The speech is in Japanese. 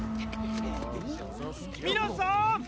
皆さーん！